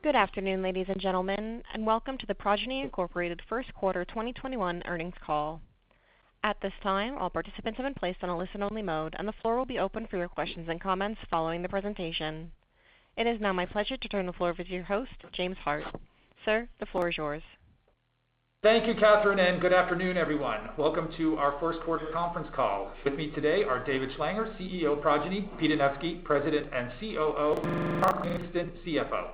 Good afternoon, ladies and gentlemen, and welcome to the Progyny, Inc. First Quarter 2021 earnings call. At this time, all participants have been placed on a listen-only mode, and the floor will be open for your questions and comments following the presentation. It is now my pleasure to turn the floor over to your host, James Hart. Sir, the floor is yours. Thank you, Catherine. Good afternoon, everyone. Welcome to our first quarter conference call. With me today are David Schlanger, CEO of Progyny, Pete Anevski, President and COO, and Mark Livingston, CFO.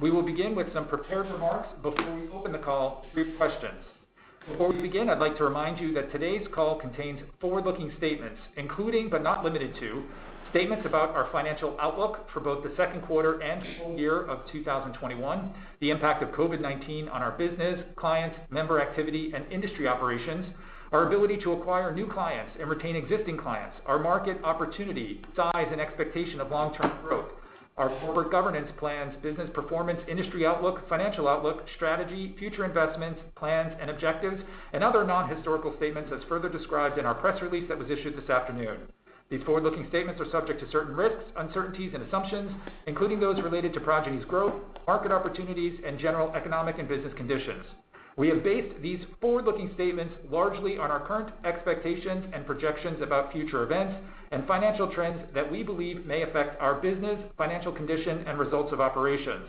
We will begin with some prepared remarks before we open the call for your questions. Before we begin, I'd like to remind you that today's call contains forward-looking statements, including, but not limited to, statements about our financial outlook for both the second quarter and full year of 2021, the impact of COVID-19 on our business, clients, member activity, and industry operations, our ability to acquire new clients and retain existing clients, our market opportunity, size, and expectation of long-term growth, our corporate governance plans, business performance, industry outlook, financial outlook, strategy, future investments, plans, and objectives, and other non-historical statements as further described in our press release that was issued this afternoon. These forward-looking statements are subject to certain risks, uncertainties, and assumptions, including those related to Progyny's growth, market opportunities, and general economic and business conditions. We have based these forward-looking statements largely on our current expectations and projections about future events and financial trends that we believe may affect our business, financial condition, and results of operations.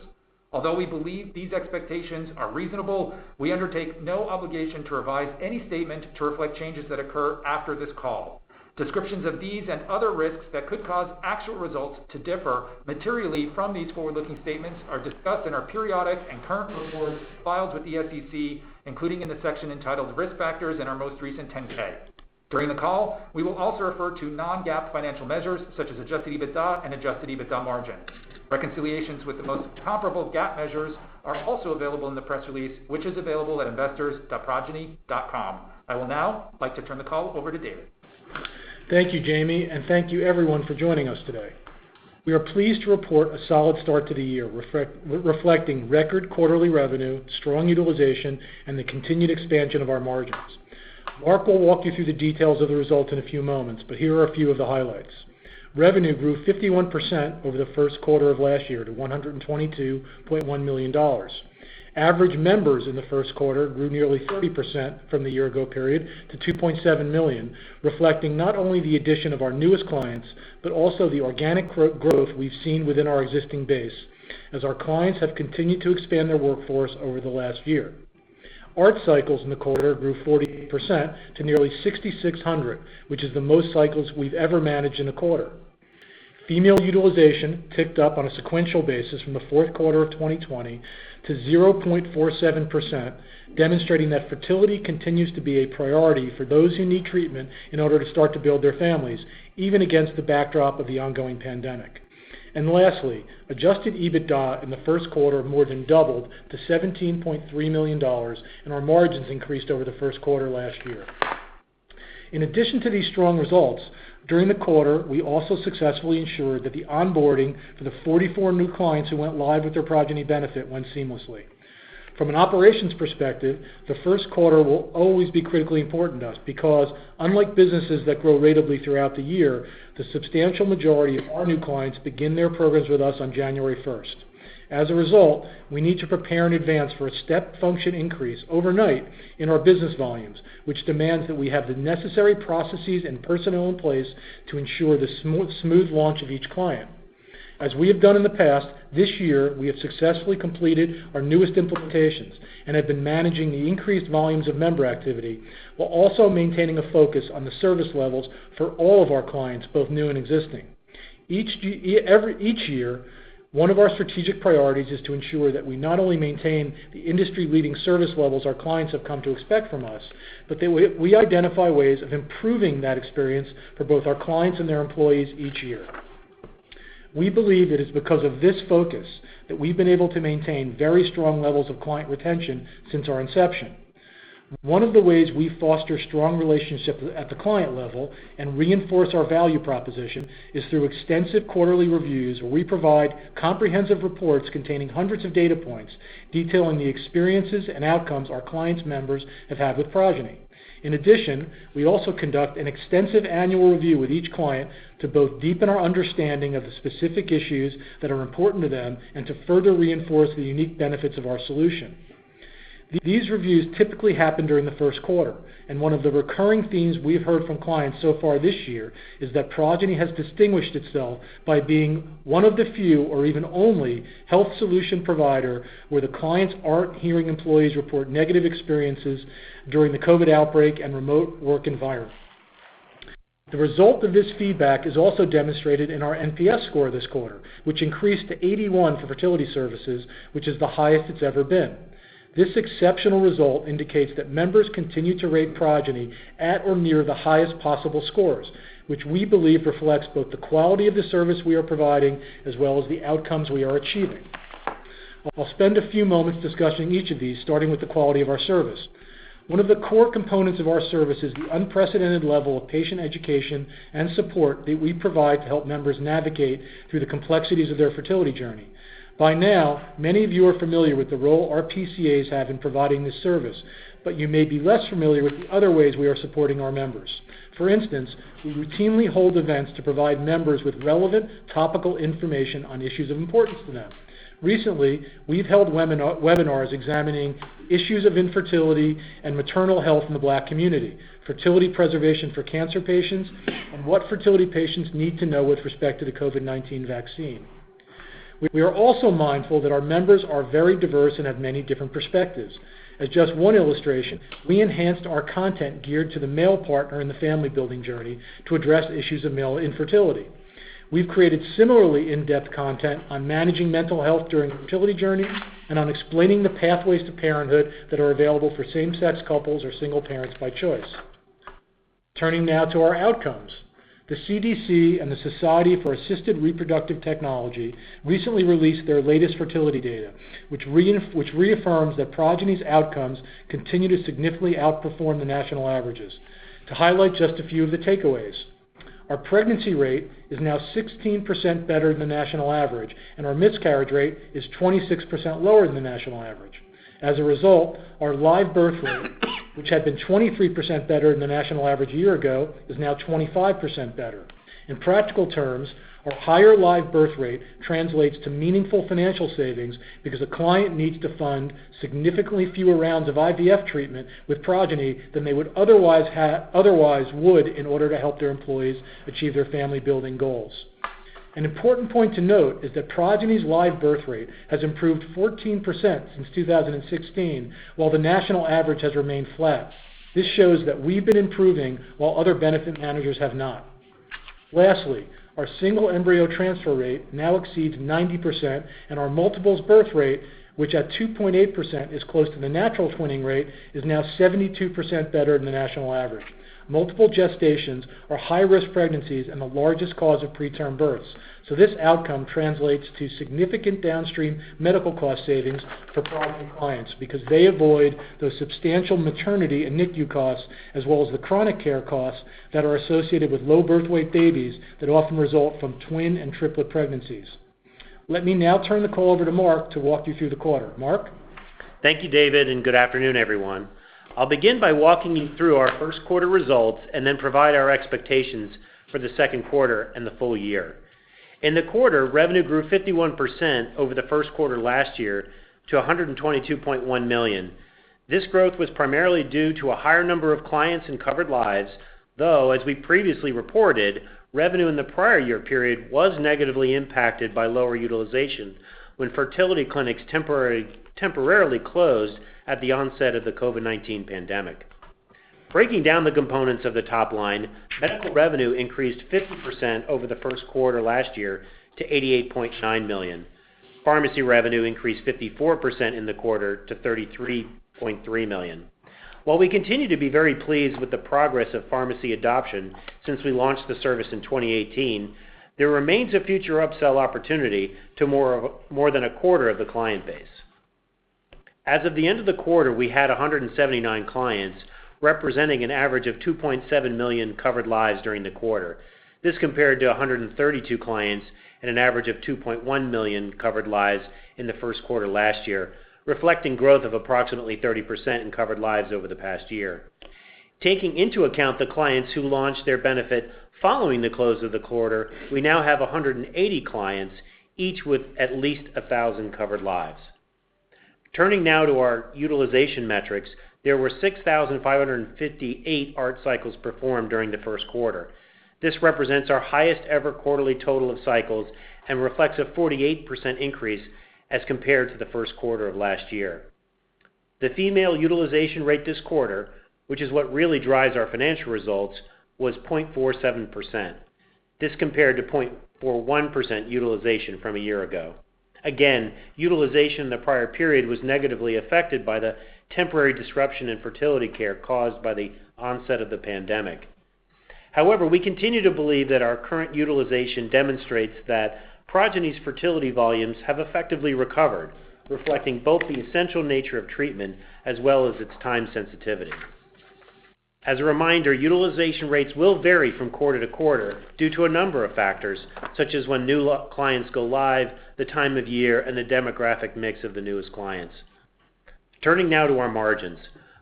Although we believe these expectations are reasonable, we undertake no obligation to revise any statement to reflect changes that occur after this call. Descriptions of these and other risks that could cause actual results to differ materially from these forward-looking statements are discussed in our periodic and current reports filed with the SEC, including in the section entitled "Risk Factors" in our most recent 10-K. During the call, we will also refer to non-GAAP financial measures such as adjusted EBITDA and adjusted EBITDA margin. Reconciliations with the most comparable GAAP measures are also available in the press release, which is available at investors.progyny.com. I will now like to turn the call over to David Schlanger. Thank you, James, and thank you everyone for joining us today. We are pleased to report a solid start to the year, reflecting record quarterly revenue, strong utilization, and the continued expansion of our margins. Mark will walk you through the details of the results in a few moments, but here are a few of the highlights. Revenue grew 51% over the first quarter of last year to $122.1 million. Average members in the first quarter grew nearly 30% from the year-ago period to 2.7 million, reflecting not only the addition of our newest clients but also the organic growth we've seen within our existing base as our clients have continued to expand their workforce over the last year. ART cycles in the quarter grew 40% to nearly 6,600, which is the most cycles we've ever managed in a quarter. Female utilization ticked up on a sequential basis from the fourth quarter of 2020 to 0.47%, demonstrating that fertility continues to be a priority for those who need treatment in order to start to build their families, even against the backdrop of the ongoing pandemic. Lastly, adjusted EBITDA in the first quarter more than doubled to $17.3 million, and our margins increased over the first quarter last year. In addition to these strong results, during the quarter, we also successfully ensured that the onboarding for the 44 new clients who went live with their Progyny benefit went seamlessly. From an operations perspective, the first quarter will always be critically important to us because unlike businesses that grow ratably throughout the year, the substantial majority of our new clients begin their programs with us on January 1st. As a result, we need to prepare in advance for a step function increase overnight in our business volumes, which demands that we have the necessary processes and personnel in place to ensure the smooth launch of each client. As we have done in the past, this year, we have successfully completed our newest implementations and have been managing the increased volumes of member activity while also maintaining a focus on the service levels for all of our clients, both new and existing. Each year, one of our strategic priorities is to ensure that we not only maintain the industry-leading service levels our clients have come to expect from us, but that we identify ways of improving that experience for both our clients and their employees each year. We believe it is because of this focus that we've been able to maintain very strong levels of client retention since our inception. One of the ways we foster strong relationships at the client level and reinforce our value proposition is through extensive quarterly reviews where we provide comprehensive reports containing hundreds of data points detailing the experiences and outcomes our clients' members have had with Progyny. In addition, we also conduct an extensive annual review with each client to both deepen our understanding of the specific issues that are important to them and to further reinforce the unique benefits of our solution. These reviews typically happen during the first quarter, and one of the recurring themes we have heard from clients so far this year is that Progyny has distinguished itself by being one of the few or even only health solution provider where the clients aren't hearing employees report negative experiences during the COVID outbreak and remote work environment. The result of this feedback is also demonstrated in our NPS score this quarter, which increased to 81 for fertility services, which is the highest it's ever been. This exceptional result indicates that members continue to rate Progyny at or near the highest possible scores, which we believe reflects both the quality of the service we are providing as well as the outcomes we are achieving. I'll spend a few moments discussing each of these, starting with the quality of our service. One of the core components of our service is the unprecedented level of patient education and support that we provide to help members navigate through the complexities of their fertility journey. By now, many of you are familiar with the role our PCAs have in providing this service, but you may be less familiar with the other ways we are supporting our members. For instance, we routinely hold events to provide members with relevant, topical information on issues of importance to them. Recently, we've held webinars examining issues of infertility and maternal health in the Black community, fertility preservation for cancer patients, and what fertility patients need to know with respect to the COVID-19 vaccine. We are also mindful that our members are very diverse and have many different perspectives. As just one illustration, we enhanced our content geared to the male partner in the family-building journey to address issues of male infertility. We've created similarly in-depth content on managing mental health during the fertility journey and on explaining the pathways to parenthood that are available for same-sex couples or single parents by choice. Turning now to our outcomes. The CDC and the Society for Assisted Reproductive Technology recently released their latest fertility data, which reaffirms that Progyny's outcomes continue to significantly outperform the national averages. To highlight just a few of the takeaways, our pregnancy rate is now 16% better than the national average, and our miscarriage rate is 26% lower than the national average. As a result, our live birth rate, which had been 23% better than the national average a year ago, is now 25% better. In practical terms, our higher live birth rate translates to meaningful financial savings because a client needs to fund significantly fewer rounds of IVF treatment with Progyny than they otherwise would in order to help their employees achieve their family-building goals. An important point to note is that Progyny's live birth rate has improved 14% since 2016, while the national average has remained flat. This shows that we've been improving while other benefit managers have not. Lastly, our single embryo transfer rate now exceeds 90%, and our multiples birth rate, which at 2.8% is close to the natural twinning rate, is now 72% better than the national average. Multiple gestations are high-risk pregnancies and the largest cause of preterm births. This outcome translates to significant downstream medical cost savings for Progyny clients because they avoid the substantial maternity and NICU costs, as well as the chronic care costs that are associated with low birth weight babies that often result from twin and triplet pregnancies. Let me now turn the call over to Mark to walk you through the quarter. Mark? Thank you, David, and good afternoon, everyone. I'll begin by walking you through our first quarter results and then provide our expectations for the second quarter and the full year. In the quarter, revenue grew 51% over the first quarter last year to $122.1 million. This growth was primarily due to a higher number of clients and covered lives, though, as we previously reported, revenue in the prior year period was negatively impacted by lower utilization when fertility clinics temporarily closed at the onset of the COVID-19 pandemic. Breaking down the components of the top line, medical revenue increased 50% over the first quarter last year to $88.9 million. Pharmacy revenue increased 54% in the quarter to $33.3 million. While we continue to be very pleased with the progress of pharmacy adoption since we launched the service in 2018, there remains a future upsell opportunity to more than a quarter of the client base. As of the end of the quarter, we had 179 clients, representing an average of 2.7 million covered lives during the quarter. This compared to 132 clients and an average of 2.1 million covered lives in the first quarter last year, reflecting growth of approximately 30% in covered lives over the past year. Taking into account the clients who launched their benefit following the close of the quarter, we now have 180 clients, each with at least 1,000 covered lives. Turning now to our utilization metrics, there were 6,558 ART cycles performed during the first quarter. This represents our highest-ever quarterly total of cycles and reflects a 48% increase as compared to the first quarter of last year. The female utilization rate this quarter, which is what really drives our financial results, was 0.47%. This compared to 0.41% utilization from a year ago. Again, utilization in the prior period was negatively affected by the temporary disruption in fertility care caused by the onset of the pandemic. However, we continue to believe that our current utilization demonstrates that Progyny's fertility volumes have effectively recovered, reflecting both the essential nature of treatment as well as its time sensitivity. As a reminder, utilization rates will vary from quarter to quarter due to a number of factors, such as when new clients go live, the time of year, and the demographic mix of the newest clients. Turning now to our margins.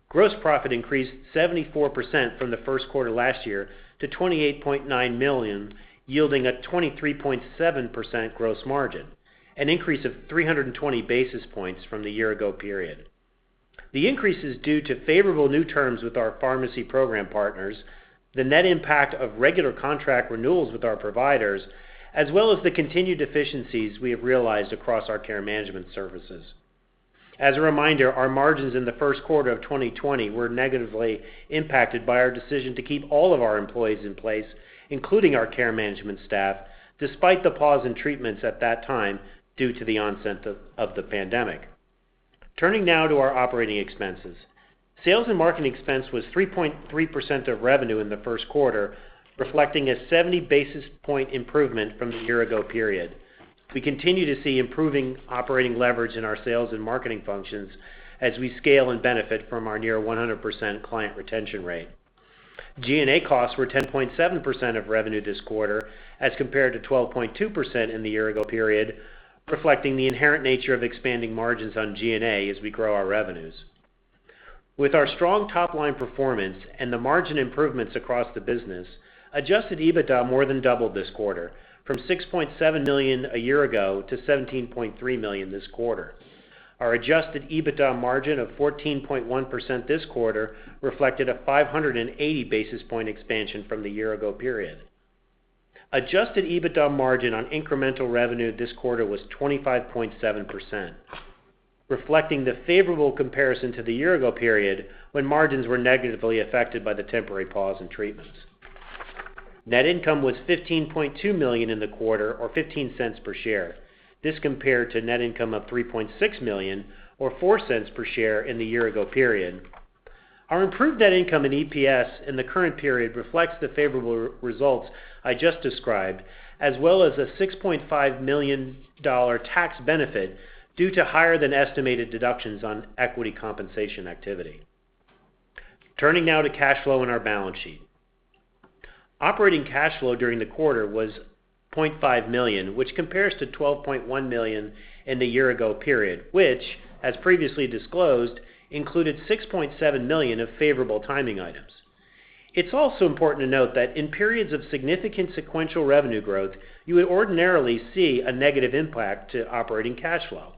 Gross profit increased 74% from the first quarter last year to $28.9 million, yielding a 23.7% gross margin, an increase of 320 basis points from the year ago period. The increase is due to favorable new terms with our pharmacy program partners, the net impact of regular contract renewals with our providers, as well as the continued efficiencies we have realized across our care management services. As a reminder, our margins in the first quarter of 2020 were negatively impacted by our decision to keep all of our employees in place, including our care management staff, despite the pause in treatments at that time due to the onset of the pandemic. Turning now to our operating expenses. Sales and marketing expense was 3.3% of revenue in the first quarter, reflecting a 70-basis point improvement from the year ago period. We continue to see improving operating leverage in our sales and marketing functions as we scale and benefit from our near 100% client retention rate. G&A costs were 10.7% of revenue this quarter as compared to 12.2% in the year-ago period, reflecting the inherent nature of expanding margins on G&A as we grow our revenues. With our strong top-line performance and the margin improvements across the business, adjusted EBITDA more than doubled this quarter, from $6.7 million a year-ago to $17.3 million this quarter. Our adjusted EBITDA margin of 14.1% this quarter reflected a 580 basis point expansion from the year-ago period. Adjusted EBITDA margin on incremental revenue this quarter was 25.7%, reflecting the favorable comparison to the year-ago period when margins were negatively affected by the temporary pause in treatments. Net income was $15.2 million in the quarter, or $0.15 per share. This compared to net income of $3.6 million or $0.04 per share in the year ago period. Our improved net income in EPS in the current period reflects the favorable results I just described, as well as a $6.5 million tax benefit due to higher than estimated deductions on equity compensation activity. Turning now to cash flow and our balance sheet. Operating cash flow during the quarter was $500,000, which compares to $12.1 million in the year ago period, which, as previously disclosed, included $6.7 million of favorable timing items. It's also important to note that in periods of significant sequential revenue growth, you would ordinarily see a negative impact to operating cash flow.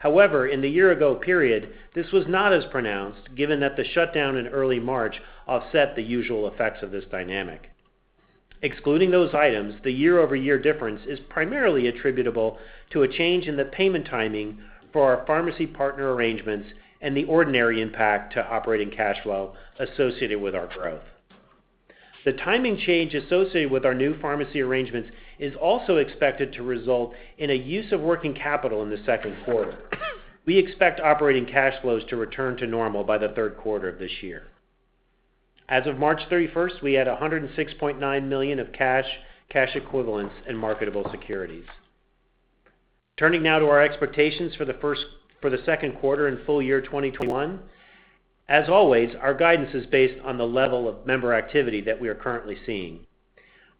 However, in the year ago period, this was not as pronounced, given that the shutdown in early March offset the usual effects of this dynamic. Excluding those items, the year-over-year difference is primarily attributable to a change in the payment timing for our pharmacy partner arrangements and the ordinary impact to operating cash flow associated with our growth. The timing change associated with our new pharmacy arrangements is also expected to result in a use of working capital in the second quarter. We expect operating cash flows to return to normal by the third quarter of this year. As of March 31st, we had $106.9 million of cash equivalents, and marketable securities. Turning now to our expectations for the second quarter and full year 2021. As always, our guidance is based on the level of member activity that we are currently seeing.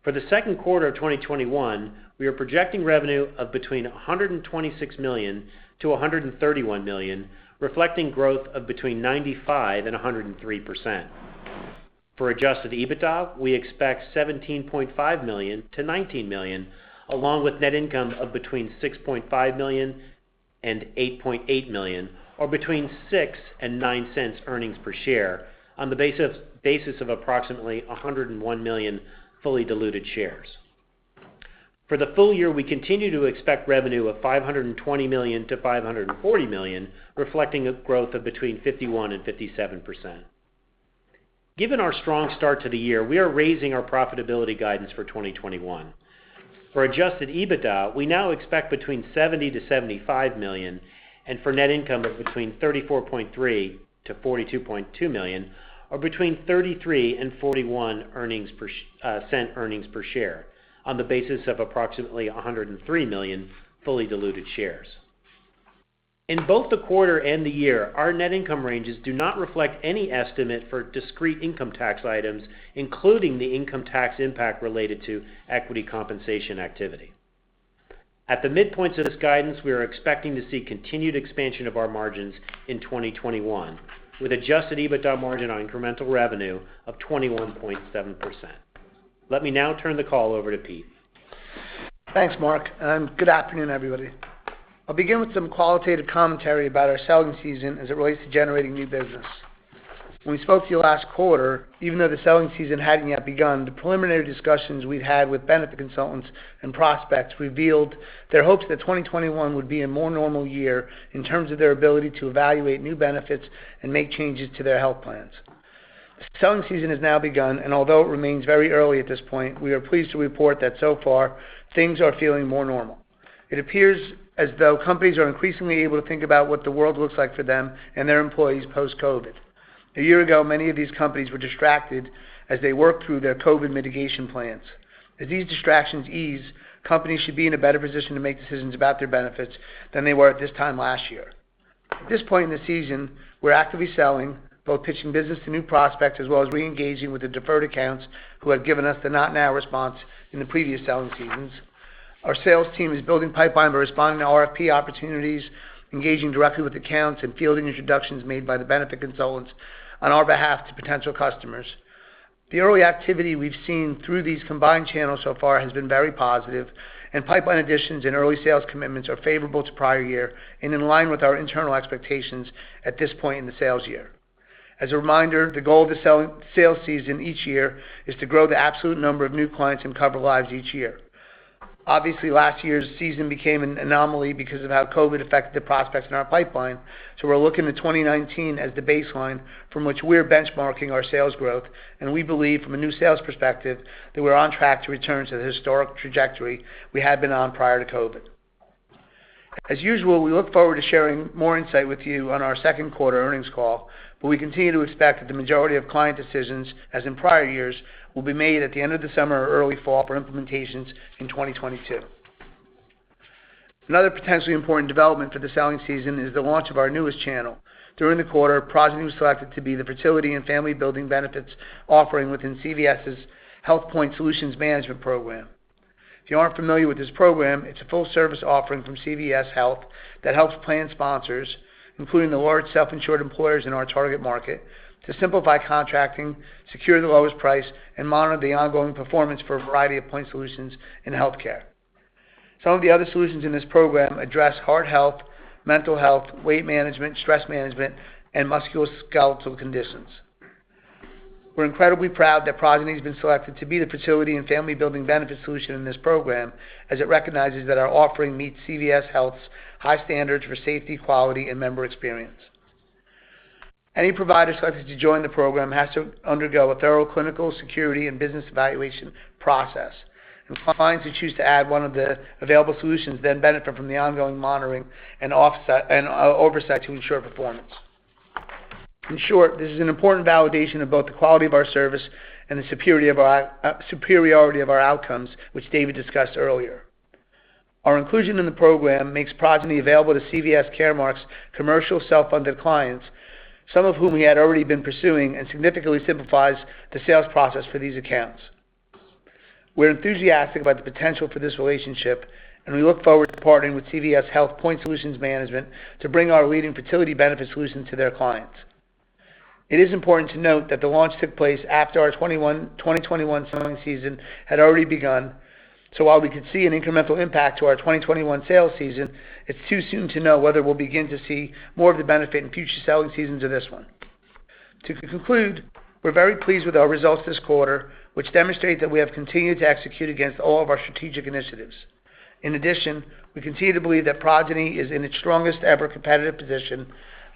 For the second quarter of 2021, we are projecting revenue of between $126 million-$131 million, reflecting growth of between 95% and 103%. For adjusted EBITDA, we expect $17.5 million-$19 million, along with net income of between $6.5 million and $8.8 million, or between $0.06 and $0.09 earnings per share on the basis of approximately 101 million fully diluted shares. For the full year, we continue to expect revenue of $520 million-$540 million, reflecting a growth of between 51% and 57%. Given our strong start to the year, we are raising our profitability guidance for 2021. For adjusted EBITDA, we now expect between $70 million-$75 million, and for net income of between $34.3 million-$42.2 million, or between $0.33 and $0.41 earnings per share on the basis of approximately 103 million fully diluted shares. In both the quarter and the year, our net income ranges do not reflect any estimate for discrete income tax items, including the income tax impact related to equity compensation activity. At the midpoint of this guidance, we are expecting to see continued expansion of our margins in 2021, with adjusted EBITDA margin on incremental revenue of 21.7%. Let me now turn the call over to Pete. Thanks, Mark, and good afternoon, everybody. I'll begin with some qualitative commentary about our selling season as it relates to generating new business. When we spoke to you last quarter, even though the selling season hadn't yet begun, the preliminary discussions we'd had with benefit consultants and prospects revealed their hopes that 2021 would be a more normal year in terms of their ability to evaluate new benefits and make changes to their health plans. Selling season has now begun, and although it remains very early at this point, we are pleased to report that so far, things are feeling more normal. It appears as though companies are increasingly able to think about what the world looks like for them and their employees post-COVID-19. A year ago, many of these companies were distracted as they worked through their COVID-19 mitigation plans. As these distractions ease, companies should be in a better position to make decisions about their benefits than they were at this time last year. At this point in the season, we're actively selling, both pitching business to new prospects, as well as reengaging with the deferred accounts who have given us the "not now" response in the previous selling seasons. Our sales team is building pipeline by responding to RFP opportunities, engaging directly with accounts, and fielding introductions made by the benefit consultants on our behalf to potential customers. The early activity we've seen through these combined channels so far has been very positive, and pipeline additions and early sales commitments are favorable to prior year and in line with our internal expectations at this point in the sales year. As a reminder, the goal of the sales season each year is to grow the absolute number of new clients and cover lives each year. Obviously, last year's season became an anomaly because of how COVID affected the prospects in our pipeline. We're looking to 2019 as the baseline from which we're benchmarking our sales growth, and we believe from a new sales perspective, that we're on track to return to the historic trajectory we had been on prior to COVID. As usual, we look forward to sharing more insight with you on our second quarter earnings call, but we continue to expect that the majority of client decisions, as in prior years, will be made at the end of the summer or early fall for implementations in 2022. Another potentially important development for the selling season is the launch of our newest channel. During the quarter, Progyny was selected to be the fertility and family building benefits offering within CVS Health's Point Solutions Management program. If you aren't familiar with this program, it's a full-service offering from CVS Health that helps plan sponsors, including the large self-insured employers in our target market, to simplify contracting, secure the lowest price, and monitor the ongoing performance for a variety of point solutions in healthcare. Some of the other solutions in this program address heart health, mental health, weight management, stress management, and musculoskeletal conditions. We're incredibly proud that Progyny has been selected to be the fertility and family building benefit solution in this program, as it recognizes that our offering meets CVS Health's high standards for safety, quality, and member experience. Any provider selected to join the program has to undergo a thorough clinical, security, and business evaluation process, and clients who choose to add one of the available solutions then benefit from the ongoing monitoring and oversight to ensure performance. In short, this is an important validation of both the quality of our service and the superiority of our outcomes, which David discussed earlier. Our inclusion in the program makes Progyny available to CVS Caremark's commercial self-funded clients, some of whom we had already been pursuing, and significantly simplifies the sales process for these accounts. We're enthusiastic about the potential for this relationship, and we look forward to partnering with CVS Health Point Solutions Management to bring our leading fertility benefit solution to their clients. It is important to note that the launch took place after our 2021 selling season had already begun. While we could see an incremental impact to our 2021 sales season, it's too soon to know whether we'll begin to see more of the benefit in future selling seasons of this one. To conclude, we're very pleased with our results this quarter, which demonstrate that we have continued to execute against all of our strategic initiatives. In addition, we continue to believe that Progyny is in its strongest-ever competitive position,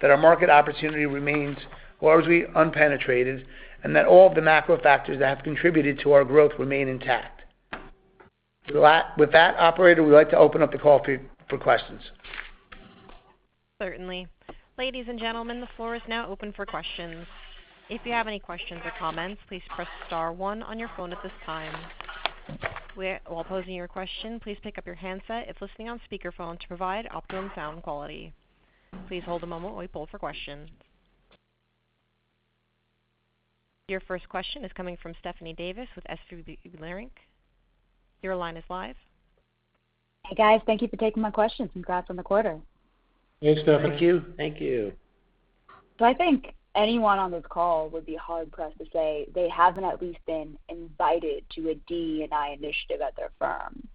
that our market opportunity remains largely unpenetrated, and that all the macro factors that have contributed to our growth remain intact. With that, operator, we'd like to open up the call for questions. Certainly. Ladies and gentlemen, the floor is now open for questions. If you have any questions or comments, please press star one on your phone at this time. While posing your question, please pick up your handset if listening on speakerphone to provide optimum sound quality. Please hold a moment while we poll for questions. Your first question is coming from Stephanie Davis with SVB Leerink. Your line is live. Hey, guys. Thank you for taking my questions. Congrats on the quarter. Hey, Steph. How are you? Thank you. I think anyone on this call would be hard pressed to say they haven't at least been invited to a DE&I initiative at their firm.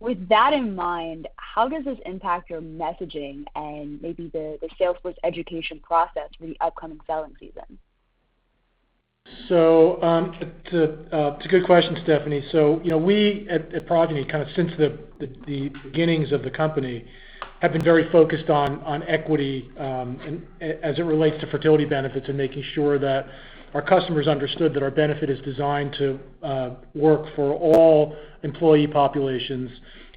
With that in mind, how does this impact your messaging and maybe the sales force education process for the upcoming selling season? It's a good question, Stephanie. We at Progyny, since the beginnings of the company, have been very focused on equity as it relates to fertility benefits and making sure that our customers understood that our benefit is designed to work for all employee populations,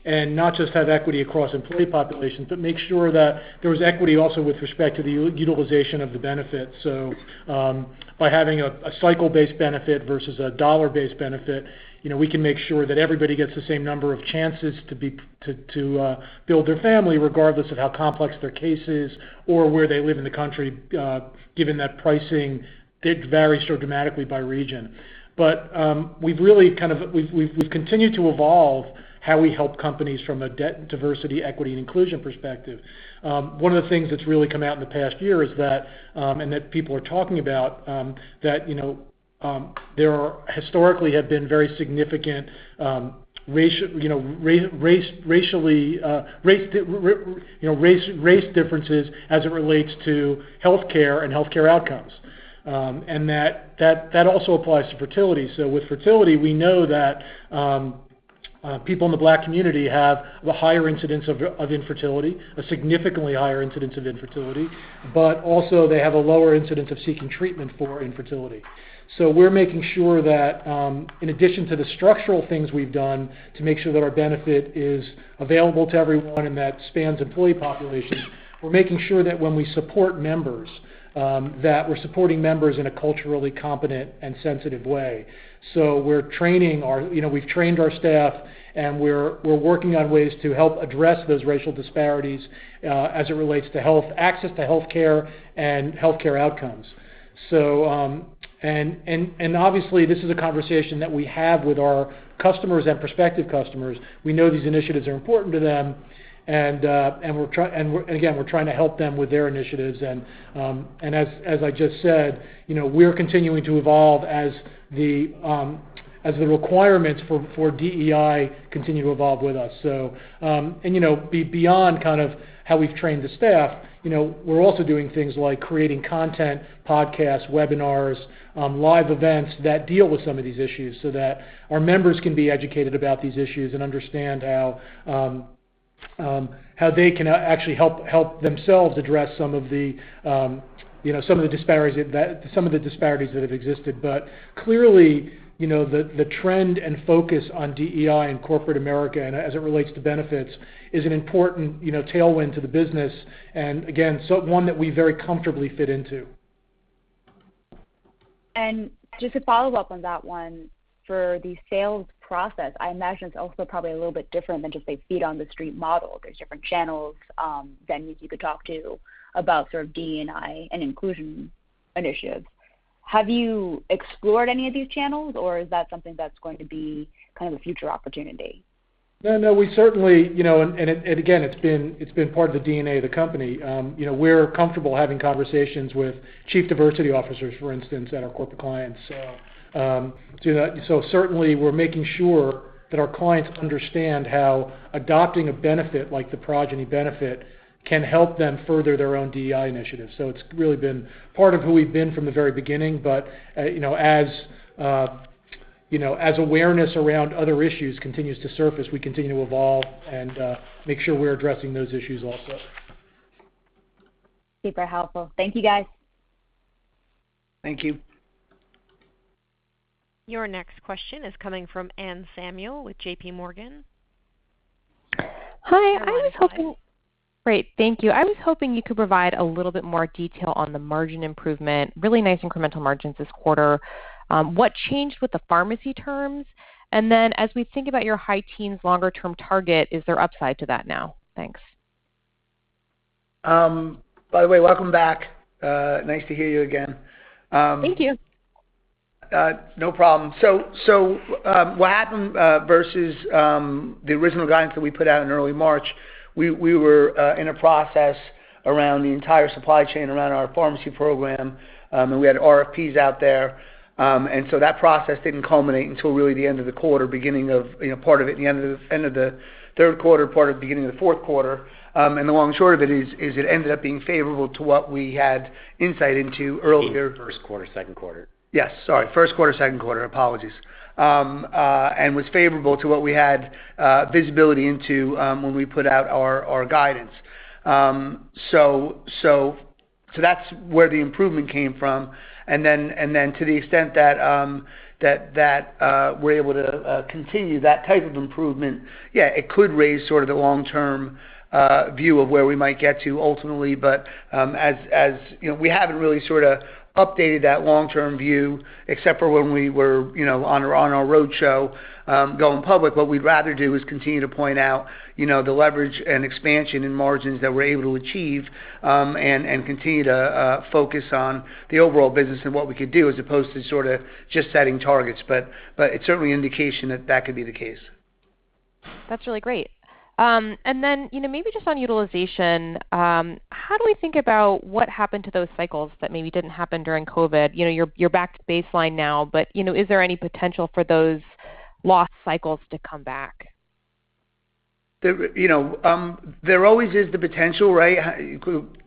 and not just have equity across employee populations, but make sure that there is equity also with respect to the utilization of the benefit. By having a cycle-based benefit versus a dollar-based benefit, we can make sure that everybody gets the same number of chances to build their family, regardless of how complex their case is or where they live in the country given that pricing did vary so dramatically by region. We've continued to evolve how we help companies from a diversity, equity, and inclusion perspective. One of the things that's really come out in the past year, and that people are talking about, that there historically have been very significant race differences as it relates to healthcare and healthcare outcomes. That also applies to fertility. With fertility, we know that people in the Black community have a higher incidence of infertility, a significantly higher incidence of infertility, but also they have a lower incidence of seeking treatment for infertility. We're making sure that, in addition to the structural things we've done to make sure that our benefit is available to everyone and that spans employee populations, we're making sure that when we support members, that we're supporting members in a culturally competent and sensitive way. We've trained our staff, and we're working on ways to help address those racial disparities as it relates to access to healthcare and healthcare outcomes. Obviously, this is a conversation that we have with our customers and prospective customers. We know these initiatives are important to them, and again, we're trying to help them with their initiatives. As I just said, we're continuing to evolve as the requirements for DEI continue to evolve with us. Beyond kind of how we've trained the staff, we're also doing things like creating content, podcasts, webinars, live events that deal with some of these issues so that our members can be educated about these issues and understand how they can actually help themselves address some of the disparities that have existed. Clearly, the trend and focus on DEI in corporate America and as it relates to benefits is an important tailwind to the business, and again, one that we very comfortably fit into. Just to follow up on that one, for the sales process, I imagine it's also probably a little bit different than just a feet-on-the-street model. There's different channels, venues you could talk to about sort of DE&I and inclusion initiatives. Have you explored any of these channels, or is that something that's going to be kind of a future opportunity? No. Again, it's been part of the DNA of the company. We're comfortable having conversations with chief diversity officers, for instance, at our corporate clients. Certainly, we're making sure that our clients understand how adopting a benefit like the Progyny benefit can help them further their own DEI initiatives. It's really been part of who we've been from the very beginning. As awareness around other issues continues to surface, we continue to evolve and make sure we're addressing those issues also. Super helpful. Thank you, guys. Thank you. Your next question is coming from Anne Samuel with JPMorgan. Hi. Your line is live. Great. Thank you. I was hoping you could provide a little bit more detail on the margin improvement. Really nice incremental margins this quarter. What changed with the pharmacy terms? As we think about your high teens longer term target, is there upside to that now? Thanks. By the way, welcome back. Nice to hear you again. Thank you. No problem. What happened, versus the original guidance that we put out in early March, we were in a process around the entire supply chain around our pharmacy program, and we had RFPs out there. That process didn't culminate until really the end of the quarter, beginning of part of it, the end of the third quarter, part of beginning of the fourth quarter. The long and short of it is it ended up being favorable to what we had insight into earlier. You mean first quarter, second quarter. Yes. Sorry. First quarter, second quarter. Apologies. Was favorable to what we had visibility into when we put out our guidance. That's where the improvement came from, to the extent that we're able to continue that type of improvement, yeah, it could raise sort of the long-term view of where we might get to ultimately. We haven't really sort of updated that long-term view except for when we were on our roadshow, going public. What we'd rather do is continue to point out the leverage and expansion in margins that we're able to achieve, and continue to focus on the overall business and what we could do as opposed to sort of just setting targets. It's certainly an indication that that could be the case. That's really great. Maybe just on utilization, how do we think about what happened to those cycles that maybe didn't happen during COVID? You're back to baseline now, but is there any potential for those lost cycles to come back? There always is the potential, right?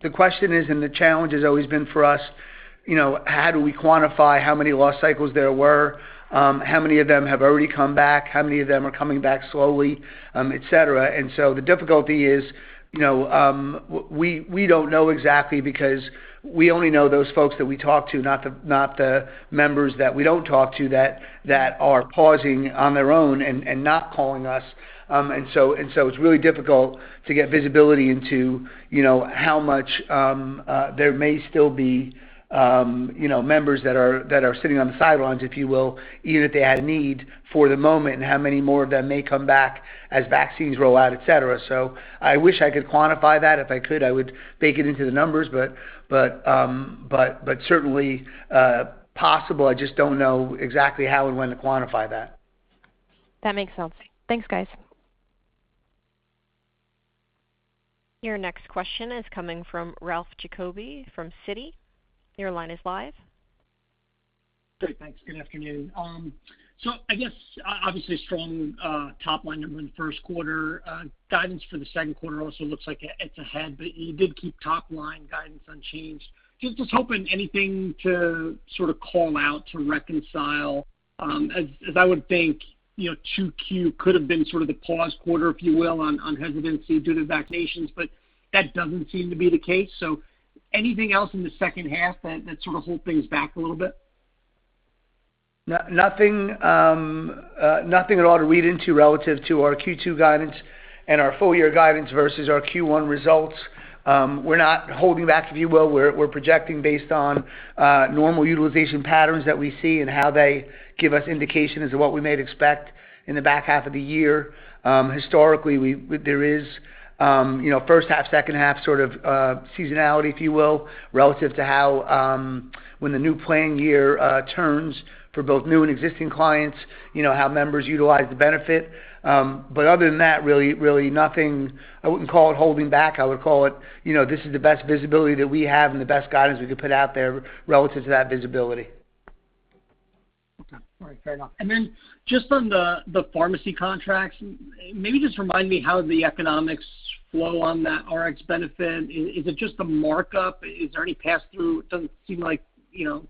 The question is, and the challenge has always been for us, how do we quantify how many lost cycles there were? How many of them have already come back? How many of them are coming back slowly, et cetera. The difficulty is, we don't know exactly because we only know those folks that we talk to, not the members that we don't talk to that are pausing on their own and not calling us. It's really difficult to get visibility into how much there may still be members that are sitting on the sidelines, if you will, even if they had need for the moment, and how many more of them may come back as vaccines roll out, et cetera. I wish I could quantify that. If I could, I would bake it into the numbers, but certainly, possible. I just don't know exactly how and when to quantify that. That makes sense. Thanks, guys. Your next question is coming from Ralph Giacobbe from Citi. Your line is live. Great. Thanks. Good afternoon. I guess, obviously strong top line number in the first quarter. Guidance for the second quarter also looks like it's ahead, you did keep top line guidance unchanged. Just was hoping anything to sort of call out to reconcile, as I would think 2Q could have been sort of the pause quarter, if you will, on hesitancy due to vaccinations, but that doesn't seem to be the case. Anything else in the second half that sort of hold things back a little bit? Nothing at all to read into relative to our Q2 guidance and our full year guidance versus our Q1 results. We're not holding back, if you will. We're projecting based on normal utilization patterns that we see and how they give us indication as to what we may expect in the back half of the year. Historically, there is first half, second half sort of seasonality, if you will, relative to how, when the new plan year turns for both new and existing clients, how members utilize the benefit. Other than that, really nothing. I wouldn't call it holding back. I would call it, this is the best visibility that we have and the best guidance we could put out there relative to that visibility. Okay. All right. Fair enough. Just on the pharmacy contracts, maybe just remind me how the economics flow on that Rx benefit. Is it just a markup? Is there any pass-through? It doesn't seem like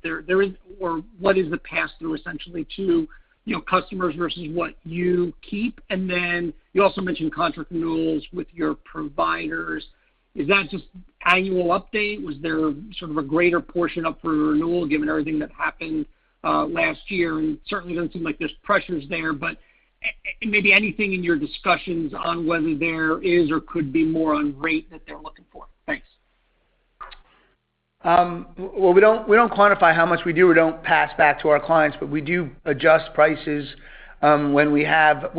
there is, or what is the pass-through, essentially, to customers versus what you keep? You also mentioned contract renewals with your providers. Is that just annual update? Was there sort of a greater portion up for renewal given everything that happened last year? Certainly doesn't seem like there's pressures there, but maybe anything in your discussions on whether there is or could be more on rate that they're looking for. Thanks. Well, we don't quantify how much we do or don't pass back to our clients, we do adjust prices, when we have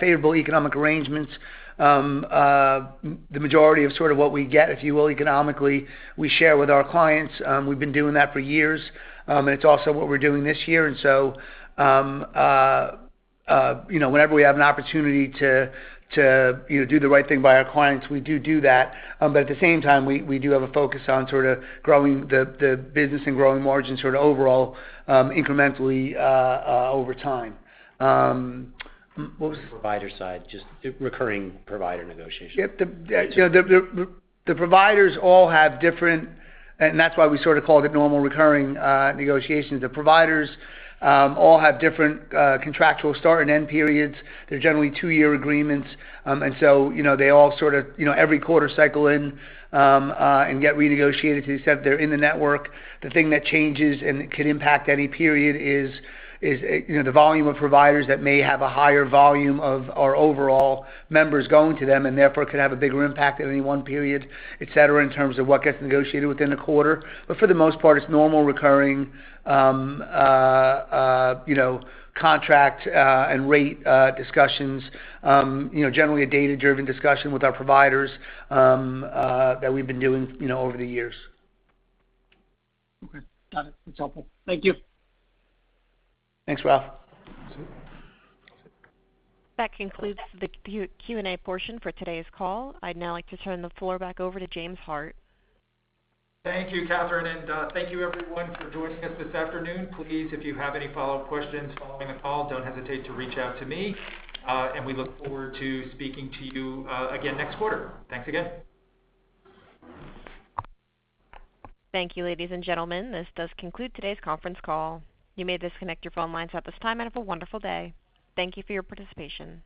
favorable economic arrangements. The majority of sort of what we get, if you will, economically, we share with our clients. We've been doing that for years. It's also what we're doing this year. Whenever we have an opportunity to do the right thing by our clients, we do that. At the same time, we do have a focus on sort of growing the business and growing margins sort of overall, incrementally over time. What was the- On the provider side, just recurring provider negotiation. Yep. The providers all have different. That's why we sort of called it normal recurring negotiations. The providers all have different contractual start and end periods. They're generally two-year agreements. Every quarter cycle and get renegotiated to the extent they're in the network. The thing that changes and could impact any period is the volume of providers that may have a higher volume of our overall members going to them, and therefore could have a bigger impact at any one period, et cetera, in terms of what gets negotiated within the quarter. For the most part, it's normal recurring contract and rate discussions. Generally a data-driven discussion with our providers that we've been doing over the years. Okay. Got it. That's helpful. Thank you. Thanks, Ralph. That concludes the Q&A portion for today's call. I'd now like to turn the floor back over to James Hart. Thank you, Catherine, and thank you everyone for joining us this afternoon. Please, if you have any follow-up questions following the call, don't hesitate to reach out to me. We look forward to speaking to you again next quarter. Thanks again. Thank you, ladies and gentlemen. This does conclude today's conference call. You may disconnect your phone lines at this time, and have a wonderful day. Thank you for your participation.